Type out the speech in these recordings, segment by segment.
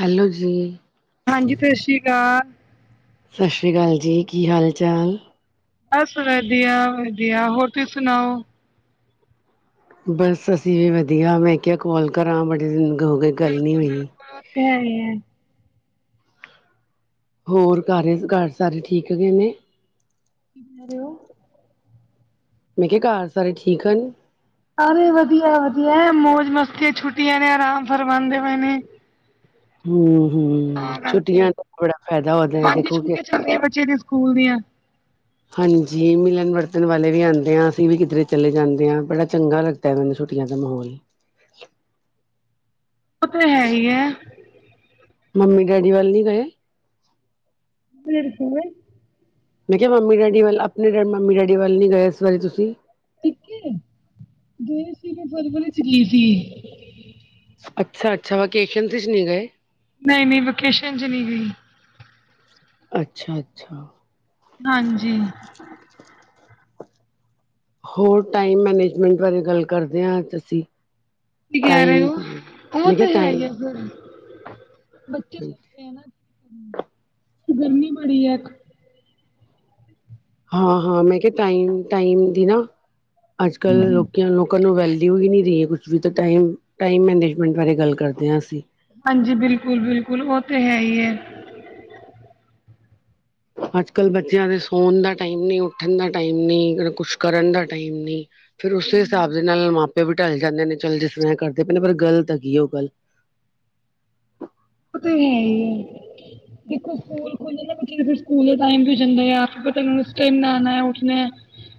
Hello ਜੀ। ਹਾਂਜੀ, ਸਤਿ ਸ਼੍ਰੀ ਕਾ ਸਤਿ ਸ਼੍ਰੀ ਅਕਾਲ ਜੀ, ਕੀ ਹਾਲ ਚਾਲ? ਬਸ ਵਧੀਆ-ਵਧੀਆ, ਹੋਰ ਤੁਸੀ ਸੁਣਾਓ? ਬਸ ਅਸੀਂ ਵੀ ਵਧੀਆ, ਮੈਂ ਕਿਆ ਕੋਲ ਕਰਾਂ, ਬੜੇ ਦਿਨ ਹੋ ਗਏ, ਗੱਲ ਨਈ ਹੋਈ। ਕੈਰੀ ਐ [unintelligible] ਹੋਰ ਘਰਜ਼, ਕਾਰ ਸਾਰੇ ਠੀਕ ਹੇਗਾ ਨੇ? ਕੀ ਕੇਹ ਰਏ ਹੋ? ਮੈਂ ਕਿਆ ਕਾਰ ਸਾਰੇ ਠੀਕ ਹਨ? ਸਾਰੇ ਵਧੀਆ ਏ ਵਧੀਆ ਏ, ਮੌਜ ਮਸਤੀ ਛੁੱਟੀਆਂ ਨੇ, ਆਰਾਮ ਫਰਮਾਣਦੇ ਬਏ ਨੇ। ਹੂ-ਹੂ ਤਾਂ ਕਰਕੇ ਛੁੱਟੀਆਂ ਦਾ ਬੜਾ ਫਾਇਦਾ ਹੋਦਾ ਹੈ, ਹਾਂਜੀ ਦੇਖੋ ਕਿ ਛੁੱਟੀਆਂ ਚੱਲ ਰਹੀਆਂ ਬੱਚੇ ਦੀ [inaudible] ਸਕੂਲ ਦੀਆਂ [inaudible] ਹਾਂਜੀ, ਮਿਲਣ ਵਰਤਣ ਵਾਲੇ ਵੀ ਆਉਂਦੇ ਆ, ਅਸੀਂ ਵੀ ਕਿਧਰੇ ਚਲੇ ਜਾਂਦੇ ਆ, ਬੜਾ ਚੰਗਾ ਲੱਗ ਦਾ ਮੈਨੂੰ ਛੁੱਟੀਆਂ ਦਾ ਮਾਹੌਲ। ਉਹ ਤੇ ਹੈ ਈ ਐ। ਮੰਮੀ ਡੈਡੀ ਵੱਲ ਨਈ ਗਏ? [unintelligible] ਬਿਰਕੁਲ ਮੈਂ ਕਿਆ ਮੰਮੀ ਡੈਡੀ ਵੱਲ, ਆਪਣੇ ਮੰਮੀ ਡੈਡੀ ਵੱਲ ਨੀ ਗਏ ਇਸ ਵਾਰੀ ਤੁਸੀਂ? ਪੇਕੇ? ਗਏ ਸੀ, ਮੈਂ ਫਰਵਰੀ ਚ ਗਈ ਸੀ। ਅੱਛਾ-ਅੱਛਾ, ਵਿਕੇਸ਼ਨਸ ਇੱਚ ਨਹੀਂ ਗਏ? ਨਈ-ਨਈ ਵੈਕੇਸ਼ਨ ਚ ਨਈ ਗਈ। ਅੱਛਾ-ਅੱਛਾ। ਹਾਂਜੀ। ਹੋਰ ਟਾਈਮ ਮੈਨੇਜਮੈਂਟ ਬਾਰੇ ਗੱਲ ਕਰਦੇ ਆ ਅੱਜ ਤਸੀਂ। ਕੀ ਕੇਹ ਰਏ ਔ? ਉਹ ਮੈਂ ਤੇ ਕਿਹਾ ਹੈ ਈ ਏ, ਟਾਈਮ ਬੱਚੇ ਛੋਟੇ ਐ ਨਾ। ਗਰਮੀ ਬੜੀ ਹੈ ਇੱਕ। ਹਾਂ-ਹਾਂ ਮੈਂ ਕੇਹਾ ਟਾਈਮ-ਟਾਈਮ ਦੀ ਨਾ, ਅੱਜ ਕੱਲ ਲੋਕੀਆਂ ਲੋਕ ਲੋਕਾਂ ਨੂੰ ਵੈਲਿਊ ਹੀ ਨੀ ਰਹੀ ਏ ਕੁਛ ਵੀ, ਤੇ ਟਾਈਮ-ਟਾਈਮ ਮੈਨੇਜਮੈਂਟ ਬਾਰੇ ਗੱਲ ਕਰਦੇ ਹਾਂ ਅਸੀਂ। ਹਾਂਜੀ, ਬਿਲਕੁਲ-ਬਿਲਕੁਲ ਉਹ ਤੇ ਹੈ ਈ ਏ। ਅੱਜ ਕੱਲ੍ਹ ਬੱਚਿਆਂ ਦੇ ਸੌਣ ਦਾ ਟਾਈਮ ਨਹੀਂ ਉੱਠਣ ਦਾ ਟਾਈਮ ਨਹੀਂ, ਕੁਛ ਕਰਨ ਦਾ ਟਾਈਮ ਨਹੀਂ। ਫਿਰ ਉਸੇ ਹਿਸਾਬ ਦੇ ਨਾਲ ਮਾਪੇ ਵੀ ਢਲ ਜਾਂਦੇ ਨੇ ਚੱਲ ਜਿਸ ਤਰ੍ਹਾਂ ਕਰਦੇ ਪਏਨੇ ਪਰ ਗਲਤ ਹੈਗੀ ਉਹ ਗੱਲ। ਤੇ ਹੈ ਹੀ ਹੈ। ਦੇਖੋ ਸਕੂਲ ਖੁੱਲ [unintelligible] ਬੱਚ ਸਕੂਲ ਦਾ ਟਮ ਜਾਂਦਾ [unintelligible] ਉੱਠਣਾ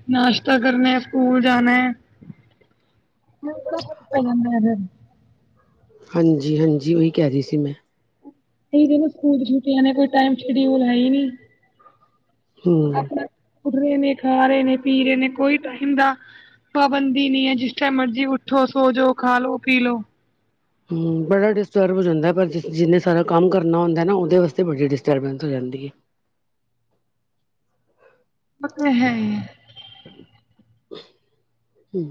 ਨਾਸ਼ਤਾ ਕਰਨੈ, ਸਕੂਲ ਜਾਣਾ। [unintelligible] ਹਾਂਜੀ ਹਾਂਜੀ, ਉਹੀ ਕਹਿ ਰਹੀ ਸੀ ਮੈਂ। ਨਹੀਂਨ ਸਕੂਲ ਚ ਛੁੱਟੀਆਂ ਨੇ ਕੋਈ ਟਾਈਮ ਸ਼ਡਊਲ ਹੈ ਹੀ ਨੀ, ਹਮ ਆਪਣਾ ਉੱਠ ਰਹੇ ਨੇ ਖਾ ਰਹੇ ਨੇ ਪੀ ਰਹੇ ਨੇ ਕੋਈ ਟਾਈਮ ਦਾ ਪਾਬੰਦੀ ਨੀ ਹੈ ਜਿਸ ਟਾਈਮ ਮਰਜ਼ੀ ਉੱਠੋ, ਸੋਜੋ, ਖਾ ਲੋ, ਪੀ ਲੋ। ਹਮ ਬੜਾ ਡਿਸਟਰਬ ਹੋ ਜਾਂਦਾ, ਪਰ ਜ ਜਿੰਨੇ ਸਾਰਾ ਕੰਮ ਕਰਨਾ ਹੁੰਦਾ ਨਾ ਉਹਦੇ ਵਾਸਤੇ ਬੱਡੀ ਡਿਸਟਰਬੈਂਸ ਹੋ ਜਾਂਦੀ ਹੈ। ਮ ਹੈ। ਹੁ।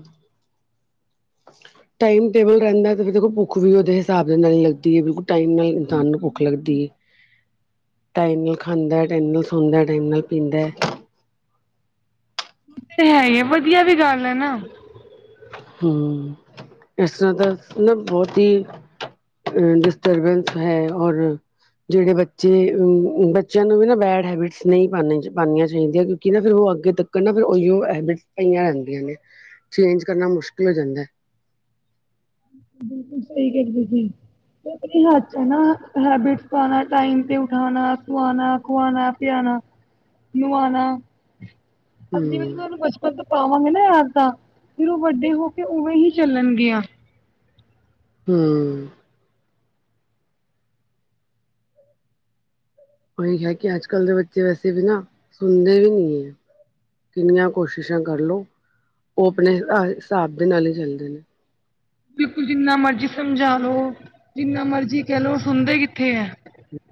ਟਾਈਮ ਟੇਬਲ ਰਹਿੰਦਾ ਤੇ, ਫਿਰ ਦੇਖੋ ਭੁੱਖ ਵੀ ਉਹਦੇ ਹਿਸਾਬ ਦੇ ਨਾਲ ਹੀ ਲੱਗਦੀ ਹੈ ਬਿਲ ਟਾਈਮ ਨਾਲ ਇਨਸਾਨ ਨੂੰ ਭੁੱਖ ਲੱਗਦੀ ਹੈ। ਟਾਈਮ ਨਾਲ ਖਾਂਦਾ, ਟਾਈਮ ਨਾਲ ਸੌਂਦਾ, ਟਾਈਮ ਨਾਲ ਪੀਂਦਾ। ਹੈ ਹੀ ਆ, ਵਧੀਆ ਵੀ ਗੱਲ ਹੈ ਨਾ। ਹਮ, ਇਸ ਤਰ੍ਹਾਂ ਤਾਂ ਨਾ ਬਹੁਤ ਹੀ ਅ ਡਿਸਟਰਬੈਂਸ ਹੈ ਔਰ ਜਿਹੜੇ ਬੱਚੇ ਅ ਬੱਚਿਆਂ ਨੂੰ ਵੀ ਨਾ ਬੈਡ ਹੈਬਿਟਸ ਨਹੀਂ ਪਾਂ ਪਾਨੀਆ ਚਾਹੀਦੀਆਂ ਕਿਉਂਕਿ ਨਾ ਫਿਰ ਉਹ ਅੱਗੇ ਤੱਕ ਕਿਰ [unintelligible] ਓਹੀਓ ਹੈਬਿਟਸ ਪਈਆਂ ਰਹਿੰਦੀਆਂ ਨੇ, ਚੇਂਜ ਕਰਨਾ ਮੁਸ਼ਕਿਲ ਹੋ ਜਾਂਦਾ। ਬਿਲਕੁਲ ਸਹੀ ਕਹਿੰਦੇ ਜੀ, ਤੇ ਆਪਣੀ ਹੱਥ ਚ ਆ ਨਾ ਹੈਬਿਟਸ ਪਾਉਣਾ, ਟਾਈਮ ਤੇ ਉਠਾਣਾ, ਸਵਾਣਾ, ਖਵਾਣਾ, ਪਿਆਣਾ। ਨੁਹਾਨਾ, ਹਜੀ ਮੈ ਨ ਹੂੰ ਤੁਾਨੂੰ ਪੁੱਛ ਮਬ ਪਾਵਾਂਗੇ ਨਾ ਆਦਤਾਂ, ਫਿਰ ਉਹ ਵੱਡੇ ਹੋ ਕੇ ਉਵੇਂ ਹੀ ਚੱਲਣਗੀਆਂ। ਹਮ ਉਹੀ ਹੈ ਕਿ ਅੱਜ ਕੱਲ੍ਹ ਦੇ ਬੱਚੇ ਵੈਸੇ ਵੀ ਨਾ, ਸੁਣਦੇ ਵੀ ਨਹੀਂ ਹੈ। ਕਿੰਨੀਆਂ ਕੋਸ਼ਿਸ਼ਾਂ ਕਰਲੋ, ਉਹ ਆਪਣੇ ਹਿਸਾਬ ਦੇ ਨਾਲ ਹੀ ਚੱਲਦੇ ਨੇ। ਬਿਲਕੁਲ ਜਿੰਨਾ ਮਰਜੀ ਸਮਝਾ ਲੋ, ਜਿੰਨਾ ਮਰਜੀ ਕਹਿਲੋ, ਸੁਣਦੇ ਕਿੱਥੇ ਹੈ।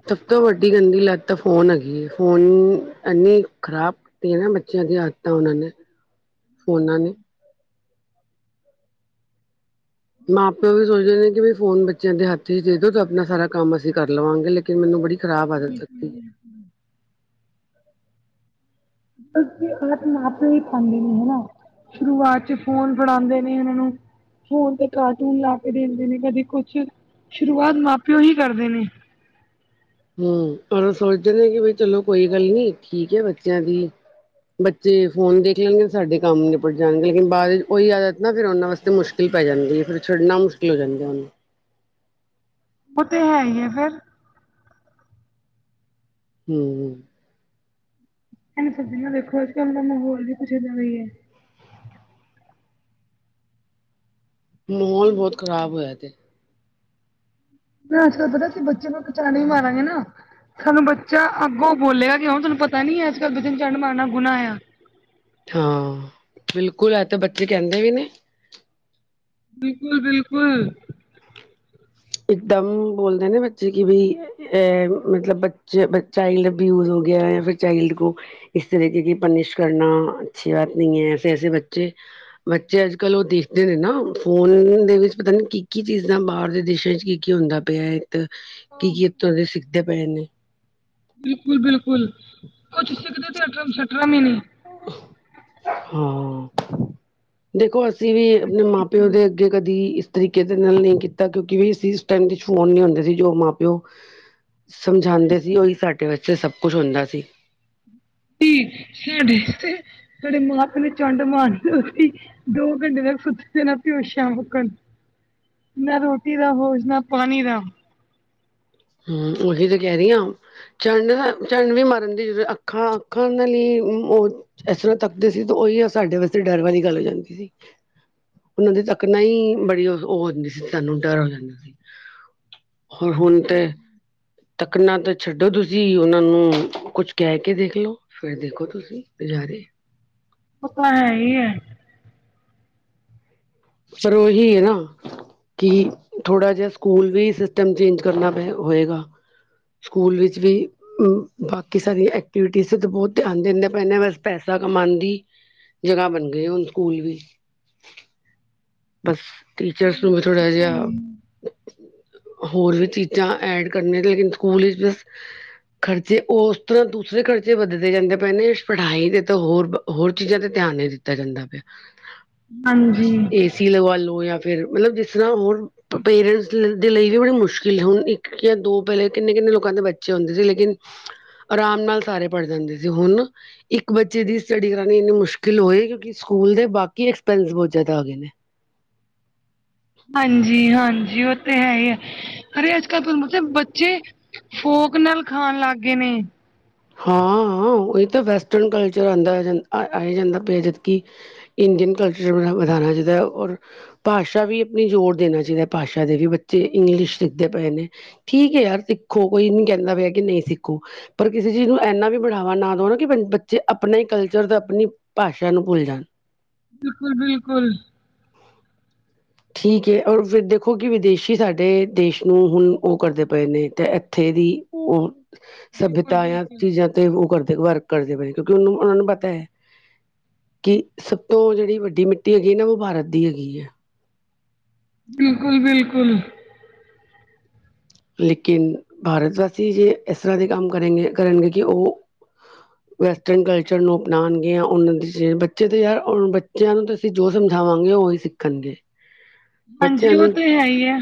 ਸਭ ਤੋਂ ਵੱਡੀ ਗੰਦੀ ਲੱਤ ਤਾਂ ਫੋਨ ਹੈਗੀ, ਫੋਨ ਇੰਨੀ ਖਰਾਬ [unintelligible] ਬੱਚਿਆਂ ਦੀ ਆਦਤਾਂ ਉਹਨਾਂ ਨੇ, ਫੋਨਾਂ ਨੇ ਮਾਂ ਪਿਓ ਵੀ ਸੋਚਦੇ ਨੇ ਕਿ ਵੀ ਫੋਨ ਬੱਚਿਆਂ ਦੇ ਹੱਥ ਚ ਦੇ ਦੋ ਤੇ ਆਪਣਾ ਸਾਰਾ ਕੰਮ ਅਸੀਂ ਕਰ ਲਵਾਂਗੇ। ਕੇ ਮੈਨੂੰ ਬੜੀ ਖਰਾਬ ਆਦਤ ਲਗਤੀ ਏ। ਹਮ। ਅਸੀਂ ਆਪ ਨਾਥ ਨਹੀਂ ਪਾਉਂਦੇ ਨੇ ਹਨਾ। ਸ਼ੁਰੂਆਤ ਚ ਫੋਨ ਫੜਾਉਂਦੇ ਨੇ ਇਹਨਾਂ ਨੂੰ। ਫੋਨ ਤੇ ਕਾਰਟੂਨ ਲਾ ਕੇ ਦਿੰਦੇ ਨੇ ਕਦੇ ਕੁਛ, ਸ਼ੁਰੂਆਤ ਮਾਂ ਪਿਓ ਹੀ ਕਰਦੇ ਨੇ। ਹਮ, ਓਰ ਉਹ ਸੋਚਦੇ ਨੇ ਕਿ ਬਈ ਚਲੋ ਕੋਈ ਗੱਲ ਨੀ ਠੀਕ ਹੈ ਬੱਚਿਆਂ ਦੀ। ਬੱਚੇ ਫੋਨ ਦੇਖ ਲੈਣਗੇ, ਤੇ ਸਾਡੇ ਕੰਮ ਨਿਪਟ ਜਾਣਗੇ ਲੇਕਿਨ ਬਾਅਦ ਵਿੱਚ ਉਹੀ ਆਦਤ ਨਾ ਫਿਰ ਉਹਨਾਂ ਵਾਸ ਤਾਂ ਮੁਸ਼ਕਿਲ ਪੈ ਜਾਂਦੀ ਹੈ, ਫਿਰ ਛੱਡਣਾ ਮੁਸ਼ਕਿਲ ਹੋ ਜਾਂਦਾ ਉਹਨੂੰ। ਉਹ ਤੇ ਹੈ ਹੀ ਹੈ ਫੇਰ। ਹਮ ਇਹਨੂੰ ਸਜ [unintelligible] ਨਾਲ ਦੇਖੋ ਅੱਜ ਕੱਲ ਦਾ ਮਾਹੌਲ ਵੀ ਕੁਛ ਇੱਦਾਂ ਦਾ ਹੀ ਹੈ। ਮਾਹੌਲ ਬਹੁਤ ਖ਼ਰਾਬ ਹੋਇਆ ਤੇ ਮੈਂ ਅੱਜਕੱਲ ਪਤਾ ਅਸੀਂ ਬੱਚੇ ਨੂੰ ਇੱਕ ਚੰਡ ਵੀ ਮਾਰਾਂਗੇ ਨਾ। ਸਾਨੂੰ ਬੱਚਾ ਅੱਗੋਂ ਬੋਲੇਗਾ ਕਿ ਹੁਣ ਤੁਹਾਨੂੰ ਪਤਾ ਨੀ ਐ ਅੱਜ ਕੱਲ ਬੱਚੇ ਨੂੰ ਚੰਡ ਮਾਰਨਾ ਗੁਣਾ ਆ। ਹਾਂ, ਬਿਲਕੁਲ ਇਹ ਤਾਂ ਬੱਚੇ ਕਹਿੰਦੇ ਹੀ ਨੇ। ਬਿਲਕੁਲ ਬਿਲਕੁਲ। ਇਕਦਮ ਬੋਲਦੇ ਨੇ ਬੱਚੇ ਕਿ ਬਈ ਅ ਮਤਲਬ ਬੱਚੇ ਬਚ ਚਾਈਲਡ ਐਬਯੂਜ਼ ਹੋ ਗਿਆ ਜਾਂ ਫਿਰ ਚਾਈਲਡ ਗੋ ਇਸ ਤਰੀਕੇ ਕੀ ਪਨੀਿਸ਼ ਕਰਨਾ ਅੱਛੀ ਬਾਤ ਨਹੀਂ ਹੈ ਐਸੇ ਐਸੇ ਬੱਚੇ [unintelligible] ਬੱਚੇ ਅੱਜ ਕੱਲ੍ਹ ਉਹ ਦੇਖਦੇ ਨੇ ਨਾ ਫੋਨ ਦੇ ਵਿੱਚ ਪਤਾ ਨੀ ਕੀ -ਕੀ ਚੀਜ਼ਾਂ ਬਾਹਰ ਦੇ ਦੇਸ਼ਾਂ 'ਚ ਕੀ -ਕੀ ਹੁੰਦਾ ਪਿਆ ਇੱਧਰ ਕੀ ਕੀ ਇੱਥੋਂ ਦੇ ਸਿੱਖਦੇ ਪਏ ਨੇ। ਬਿਲਕੁਲ- ਬਿਲਕੁਲ ਕੁਛ ਸਿੱਖਦੇ ਤੇ ਅਠਰਮ ਸ਼ਠਰਮ ਵੀ ਨਹੀਂ। ਹਾਂ ਦੇਖੋ ਜਿਵੇਂ ਆਪਣੇ ਮਾਂ ਪਿਓ ਦੇ ਅੱਗੇ ਕਦੀ ਤਰੀਕੇ ਦੇ ਨਾਲ ਨਹੀਂ ਕੀਤਾ ਕਿਉਂਕਿ ਵੀ ਅਸੀਂ ਇਸ ਟਾਈਮ ਤੇ ਫੋਨ ਨੀ ਹੁੰਦੇ ਸੀ ਜੋ ਮਾਂ ਪਿਓ ਸਮਝਾਂਦੇ ਸੀ ਉਹੀ ਸਾਡੇ ਵਾਸਤੇ ਸਭ ਕੁਛ ਹੁੰਦਾ ਸੀ। ਸਾਡੇ ਤੇ ਸਾਡੇ ਮਾਂ ਪਿਓ ਨੇ ਚੰਡ ਮਾਰਤੀ ਸੀ। [inaudible] ਦੋ ਘੰਟੇ ਤੱਕ ਸੁੱਤੇ ਰਹਿਣਾ ਬੇਹੋਸਿਆ ਮੁਕਣ ਨਾ ਰੋਟੀ ਦਾ ਹੋਸ਼ ਨਾ ਪਾਣੀ ਦਾ ਹਾਂ ਉਹੀ ਤੇ ਕਹਿ ਰਹੀ ਹਾਂ। ਝੰਡ- ਝੰਡ ਵੀ ਮਾਰਨ ਦੀ ਜਰੂ ਅੱਖਾਂ -ਅੱਖਾਂ ਨਾਲ ਉਹ ਇਸ ਤਰ੍ਹਾਂ ਤੱਕਦੇ ਸੀ ਤੇ ਉਹੀ ਆ ਸਾਡੇ ਵਾਸਤੇ ਡਰ ਵਾਲੀ ਗੱਲ ਹੋ ਜਾਂਦੀ ਸੀ। ਉਹਨਾਂ ਦੀ ਤਕ ਨਾ ਹੀ ਬੜੀ ਉਹ ਹੁੰਦੀ ਸੀ ਸਾਨੂੰ ਡਰ ਹੋਰ ਹਣ ਤੇ ਤੱਕਣਾ ਤਾਂ ਛੱਡੋ ਤੁਸੀਂ ਉਹਨਾਂ ਨੂੰ ਕੁਛ ਕਹਿ ਕੇ ਦੇਖਲੋ ਫਿਰ ਦੇਖੋ ਤੁਸੀਂ ਗੁਜ਼ਾਰੇ ਅਪਾ ਹੈ ਹੀ ਹੈ। ਪਰ ਉਹੀ ਹੈ ਨਾ ਕੀ ਥੋੜਾ ਜਿਹਾ ਸਕੂਲ ਵੀ ਸਿਸਟਮ ਚੇਂਜ ਕਰਨਾ ਪਏ ਹੋਏਗਾ। ਸਕੂਲ ਵਿੱਚ ਵੀ ਬਾਕੀ ਸਾਰੀਆਂ ਐਕਟੀਵਿਟੀਜ਼ ਤਾਂ ਬਹੁਤ ਧਿਆਨ ਦਿੰਦੇ ਪੈਂਦੇ ਬਸ ਪੈਸਾ ਕਮਾਂਦੀ। ਜਗ੍ਹਾ ਬਣ ਗਏ ਹੁਣ ਸਕੂਲ ਵੀ ਬਸ ਟੀਚਰਸ ਨੂੰ ਵੀ ਥੋੜਾ ਜਿਹਾ ਹੋਰ ਵੀ ਚੀਜ਼ਾਂ ਐਡ ਕਰਨੀਆਂ ਲੇਕਿਨ ਸਕੂਲ ਵਿੱਚ ਖ਼ਰਚੇ ਉਸ ਤਰ੍ਹਾਂ ਦੂਸਰੇ ਖਰਚੇ ਵੱਧਦੇ ਜਾਂਦੇ ਪਏ ਨੇ ਪੜਾਈ ਦੇ ਤਾਂ ਹੋਰ ਹੋਰ ਚੀਜ਼ਾਂ ਤੇ ਧਿਆਨ ਨਹੀਂ ਦਿੱਤਾ ਜਾਂਦਾ ਪਿਆ। ਹਾਂਜੀ ਏਸੀ ਲਗਵਾ ਲੋ ਜਾਂ ਫਿਰ ਮਤਲਬ ਜਿਸ ਤਰ੍ਹਾਂ ਹੋਰ ਪੇਰੈਂਟਸ ਦੇ ਲਈ ਵੀ ਬੜੀ ਮੁਸ਼ਕਿਲ ਹੁਣ ਇੱਕ ਜਾਂ ਦੋ ਪਹਿਲੇ ਕਿੰਨੇ- ਕਿੰਨੇ ਲੋਕਾਂ ਦੇ ਬੱਚੇ ਆਉਂਦੇ ਸੀ ਲੇਕਿਨ ਆਰਾਮ ਨਾਲ ਸਾਰੇ ਪੜ ਜਾਂਦੇ ਸੀ ਹੁਣ ਇੱਕ ਬੱਚੇ ਦੀ ਸਟੱਡੀ ਕਰਾਣੀ ਇੰਨੀ ਮੁਸ਼ਕਿਲ ਹੋਏ ਕਿਉਂਕਿ ਸਕੂਲ ਦੇ ਬਾਕੀ ਐਕਸਪੈਂਸ ਬਹੁਤ ਜ਼ਿਆਦਾ ਹੋ ਗਏ ਨੇ। ਹਾਂਜੀ- ਹਾਂਜੀ ਉਹ ਤੇ ਹੈ ਹੀ ਹੈ। ਅਰੇ ਅੱਜ ਕੱਲ ਬੱਚੇ ਫੋਕ ਨਾਲ ਖਾਣ ਲੱਗ ਗਏ ਨੇ। ਹਾਂ -ਹਾਂ ਉਹੀ ਤਾਂ ਵੈਸਟਰਨ ਕਲਚਰ ਆਉਂਦਾ ਜਾਂਦਾ ਆਈ ਜਾਂਦਾ ਪਿਆ ਜਦਕਿ ਇੰਡੀਅਨ ਕਲਚਰ ਵ ਵੱਧਾਣਾ ਚਾਹੀਦਾ ਔਰ ਭਾਸ਼ਾ ਵੀ ਆਪਣੀ ਜ਼ੋਰ ਦੇਣਾ ਚਾਹੀਦਾ ਭਾਸ਼ਾ ਦੇ ਵੀ ਬੱਚੇ ਇੰਗਲਿਸ਼ ਲਿਖਦੇ ਪਏ ਨੇ। ਠੀਕ ਹੈ ਯਾਰ ਸਿੱਖੋ ਕੋਈ ਨੀ ਕਹਿੰਦਾ ਪਿਆ ਕਿ ਨਹੀਂ ਸਿੱਖੋ ਪਰ ਕਿਸੇ ਚੀਜ਼ ਨੂੰ ਇੰਨਾ ਵੀ ਬੜਾਵਾ ਨਾ ਦੋ ਕਿ ਬੱਚੇ ਆਪਣਾ ਹੀ ਕਲਚਰ ਅਤੇ ਆਪਣੀ ਭਾਸ਼ਾ ਨੂੰ ਭੁੱਲ ਜਾਣ। ਬਿਲਕੁਲ -ਬਿਲਕੁਲ [inaudible] ਠੀਕ ਹੈ ਔਰ ਦੇਖੋ ਕਿ ਵਿਦੇਸ਼ੀ ਸਾਡੇ ਦੇਸ਼ ਨੂੰ ਹੁਣ ਉਹ ਕਰਦੇ ਪਏ ਨੇ ਤੇ ਇੱਥੇ ਦੀ ਉਹ ਬਿਲਕੁਲ ਸੱਭਿਅਤਾ ਯ ਬਿਲਕੁਲ ਚੀਜ਼ਾਂ ਤੇ ਉਹ ਕਰਦੇ ਵਰਕ ਕਰਦੇ ਪਏ ਕਿਉਂਕਿ ਉਹਨੂੰ ਉਹਨਾਂ ਨੂੰ ਪਤਾ ਹੈ। ਕਿ ਸਭ ਤੋਂ ਜਿਹੜੀ ਵੱਡੀ ਮਿੱਟੀ ਹੈਗੀ ਨਾ ਉਹ ਭਾਰਤ ਦੀ ਹੈਗੀ ਹੈ। ਬਿਲਕੁਲ- ਬਿਲਕੁਲ ਲੇਕਿਨ ਭਾਰਤ ਵਾਸੀ ਜੇ ਇਸ ਤਰ੍ਹਾਂ ਦੇ ਕੰਮ ਕਰੇਗੇ ਕਰਨਗੇ ਕਿ ਉਹ [inaudible] ਵੈਸਟਰਨ ਕਲਚਰ ਨੂੰ ਅਪਣਾਂਣਗੀਆਂ ਉਹਨਾਂ ਦੀ ਬੱਚੇ ਤਾਂ ਯਾਰ ਬੱਚਿਆਂ ਨੂੰ ਤਾਂ ਅਸੀਂ ਜੋ ਸਮਝਾਵਾਂਗੇ ਉਹੀ ਸਿੱਖ ਕਰਨਗੇ। ਹਾਂਜੀ ਉਹ ਤਾਂ ਹੈ ਹੀ ਹੈ।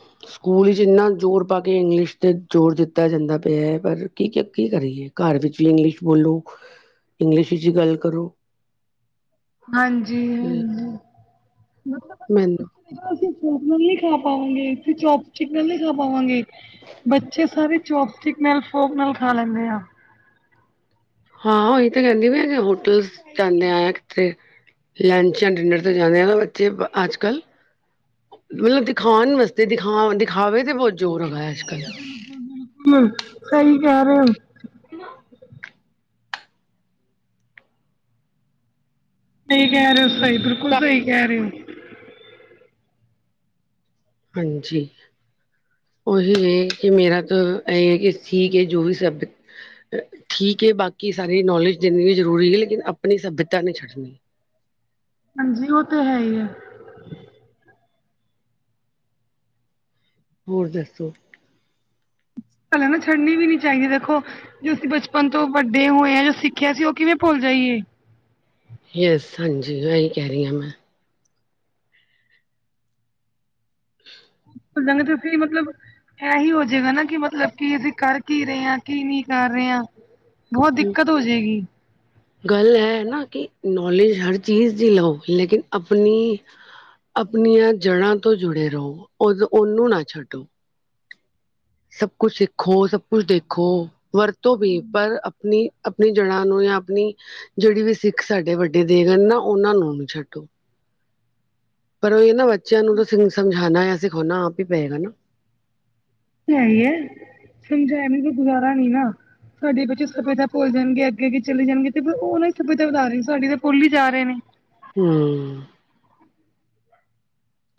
[inaudible] ਸਕੂਲ ਵਿੱਚ ਇੰਨਾ ਜ਼ੋਰ ਪਾ ਕੇ ਇੰਗਲਿਸ਼ ਤੇ ਜ਼ੋਰ ਦਿੱਤਾ ਜਾਂਦਾ ਪਿਆ ਹੈ ਪਰ ਕੀ -ਕੀ ਕਰੀਏ। ਘਰ ਵਿੱਚ ਵੀ ਇੰਗਲਿਸ਼ ਬੋਲੋ ਇੰਗਲਿਸ਼ ਵਿੱਚ ਗੱਲ ਕਰੋ। ਹਾਂਜੀ ਹੂੰ ਤੇ ਮਤਲਬ [unintelligible] ਅਸੀਂ ਚੋਪਨਰ ਨ ਖਾ ਪਾਵਾਂਗੇ ਅਸੀਂ ਚੋਪ ਚਿਕਨਰ ਨ ਖਾ ਪਾਵਾਂਗੇ। ਬੱਚੇ ਸਾਰੇ ਚੋਪ ਸਟਿਕ ਨਾਲ ਫੋਕ ਨਾਲ ਖਾ ਲੈਂਦੇ ਆ। ਹਾਂ ਉਹੀ ਤਾਂ ਕਹਿੰਦੀ ਵੀ ਹੋਟਲ 'ਚ ਆਣੇ ਕ ਤੇ ਲੰਚ ਜਾਂ ਡਿਨਰ ਤੇ ਜਾਂਣੇ ਆ ਨਾ ਬੱਚੇ ਅੱਜ ਕੱਲ੍ਹ ਮਤਲਬ ਦਿਖਾਉਣ ਵਾਸਤੇ ਦਿਖਾ ਦਿਖਾਵੇ ਤੇ ਬਹੁਤ ਜ਼ੋਰ ਹੈਗਾ ਅੱਜ ਕੱਲ੍ਹ ਬਿਲਕੁਲ -ਬਿਲਕੁਲ ਸਹੀ ਕਹਿ ਰਹੇ ਹੋ। [unintelligible] ਸਹੀ ਕਹਿ ਰਹੇ ਹੋ ਸਹੀ ਬਿਲਕੁਲ ਸਹੀ ਕਹਿ ਰਹੇ ਹੋ। ਹਾਂਜੀ ਉਹੀ ਨੇ ਕਿ ਮੇਰਾ ਤਾਂ ਇਹ ਕਿ ਸੀ ਕਿ ਜੋ ਵੀ ਸ਼ਬਦ ਠੀਕ ਹੈ ਬਾਕੀ ਸਾਰੀ ਨੌਲੇਜ ਦੇਣੀ ਵੀ ਜ਼ਰੂਰੀ ਹੈ ਲੇਕਿਨ ਆਪਣੀ ਸੱਭਿਅਤਾ ਨਹੀਂ ਛੱਡਣੀ ਹਾਂਜੀ ਉਹ ਤੇ ਹੈ ਹੀ ਹੈ। ਹੋਰ ਦੱਸੋ। ਭਲੇ ਨਾ ਛੱਡਨੀ ਵੀ ਨੀ ਚਾਹੀਦੀ ਦੇਖੋ ਜੋ ਅਸੀਂ ਬਚਪਨ ਤੋਂ ਵੱਡੇ ਹੋਏ ਆ ਜੋ ਸਿੱਖਿਆ ਸੀ ਉਹ ਕਿਵੇਂ ਭੁੱਲ ਜਾਈਏ। ਯਸ ਹਾਂਜੀ ਇਹੀ ਕਹਿ ਰਹੀ ਹਾਂ ਮੈਂ ਹੋ ਜਾਂਦੇ ਤੇ ਤੁਸੀਂ ਮਤਲਬ ਇਹੀ ਹੋਜਏਗਾ ਨਾ ਕਿ ਮਤਲਬ ਕਿ ਅਸੀਂ ਕਰ ਕੀ ਰਹੇ ਆਂ ਕੀ ਨਹੀਂ ਕਰ ਰਹੇ ਆਂ। ਬਹੁਤ ਦਿੱਕਤ ਹੋ ਜਾਏਗੀ। [inaudible] ਗੱਲ ਹੈ ਹੈ ਨਾ ਕਿ ਨੌਲੇਜ ਹਰ ਚੀਜ਼ ਦੀ ਲਓ ਲੇਕਿਨ ਆਪਣੀ ਆਪਣੀਆਂ ਜੜ੍ਹਾਂ ਤੋਂ ਜੁੜੇ ਰਹੋ ਉਦ ਉਹਨੂੰ ਨਾ ਛੱਡੋ। ਸਭ ਕੁਛ ਸਿੱਖੋ ਸਭ ਕੁਛ ਦੇਖੋ। ਵਰਤੋ ਵੀ ਪਰ ਆਪਣੀ- ਆਪਣੀ ਜੜ੍ਹਾਂ ਨੂੰ ਜਾਂ ਆਪਣੀ ਜਿਹੜੀ ਵੀ ਸਿੱਖ ਸਾਡੇ ਵੱਡੇ ਦੇ ਗਏ ਨਾ ਉਹਨਾਂ ਨੂੰ ਛੱਡੋ। ਪਰ ਉਹੀ ਨਾ ਬੱਚਿਆਂ ਨੂੰ ਤਾਂ ਸਮਝਾਉਣਾ ਜਾਂ ਸਿਖਾਉਣਾ ਆਪ ਹੀ ਪਏਗਾ ਨਾ। ਇਹ ਹੈ ਹੀ ਹੈ ਸਮਝਿਆ ਬਿਨ ਗੁਜ਼ਾਰਾ ਨਹੀਂ ਨਾ। ਸਾਡੀੇ ਬੱਚੇ ਸੱਭਿਅਤਾ ਭੁੱਲ ਜਾਣਗੇ ਅੱਗੇ ਅੱਗੇ ਚਲੇ ਜਾਣਗੇ ਤੇ ਉਹ ਨਾ ਸੱਭਿਅਤਾ ਵਧਾ ਰਹੀ ਸੀ ਸਾਡੀ ਤਾਂ ਭੁੱਲ ਹੀ ਜਾ ਰਹੇ ਨੇ। [unintelligible]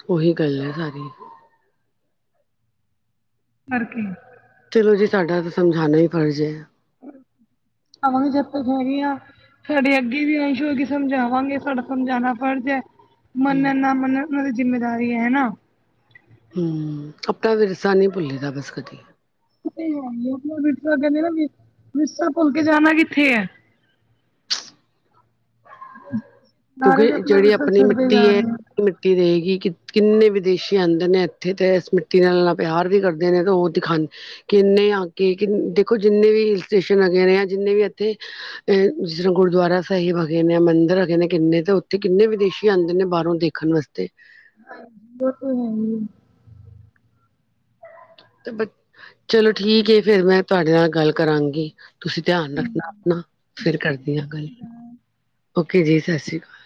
ਉਹੀ ਗੱਲ ਹੈ ਸਾਰੀ ਕਰਕੇ ਚਲੋ ਜੀ ਸਾਡਾ ਤਾਂ ਸਮਝਾਣਾ ਹੀ ਫਰਜ਼ ਏ। ਅਨ ਚਤ ਸਰੀਆ। [unintelligible] ਸਾਡੇ ਅੱਗੇ ਵੀ ਅੰਸ਼ ਹੋ ਕੇ ਸਮਝਾਵਾਂਗੇ ਸਾਡਾ ਸਮਝਾਉਣਾ ਫਰਜ਼ ਹੈ। ਮੰਨਣ ਨਾ ਮੰਨਣ ਉਹਨਾਂ ਦੀ ਜਿੰਮੇਦਾਰੀ ਹੈ ਨਾ। ਹੂੰ ਆਪਣਾ ਵਿਰਸਾ ਨਹੀਂ ਭੁੱਲੀ ਦਾ ਬਸ ਕਦੀ ਹੈ ਹੀ ਆਪਣਾ ਵਿਰਸਾ ਕਹਿੰਦੇ ਨਾ ਵਿਰਸਾ ਭੁੱਲ ਕੇ ਜਾਣਾ ਕਿੱਥੇ ਹੈ। ਸਾਰੇ ਕਿਉਂਕਿ ਤੇ ਆਪਣਾ ਜਿਹੜੀ ਵਿਰਸਾ ਆਪਣੀ ਛੱਡਦੇ ਮਿੱਟੀ ਜਾ ਏ ਰਹੇ ਆ। ਮਿੱਟੀ ਦੇਹੇਗੀ ਕਿ ਕਿੰਨੇ ਵਿਦੇਸ਼ੀ ਆਂਦੇ ਨੇ ਇੱਥੇ ਤੇ ਇਸ ਮਿੱਟੀ ਨਾਲ ਪਿਆਰ ਵੀ ਕਰਦੇ ਨੇ ਤਾਂ ਉਹ ਦਿਖਾ ਕਿੰਨੇ ਆਗੇ ਕਿ ਦੇਖੋ ਜਿੰਨੇ ਵੀ ਹਿੱਲ ਸਟੇਸ਼ਨ ਹੈਗੇ ਨੇ ਜਿੰਨੇ ਵੀ ਇੱਥੇ ਇਹ ਜਿਸ ਤਰ੍ਹਾਂ ਗੁਰਦੁਆਰਾ ਸਾਹਿਬ ਹੈਗੇ ਨੇ ਮੰਦਿਰ ਹੈਗੇ ਨੇ। ਕਿੰਨੇ ਤਾਂ ਉੱਥੇ ਕਿੰਨੇ ਵਿਦੇਸ਼ੀ ਆਂਦੇ ਨੇ ਬਾਹਰੋਂ ਦੇਖਣ ਵਸਤੇ ਔ ਤੇ ਹੈ ਹੀ ਐ। ਚਲੋ ਠੀਕ ਹੈ, ਫੇਰ ਮੈਂ ਤੁਹਾਡੇ ਨਾਲ ਗੱਲ ਕਰਾਂਗੀ। ਤੁਸੀਂ ਧਿਆਨ ਰੱਖਣਾ ਆਪਣਾ, ਫਿਰ ਕਰਦੀ ਹ ਗੱਲ, ਹੈ ਔ ਕੇ ਜੀ, ਸਤਿ ਸ੍ਰੀ ਅਕਾਲ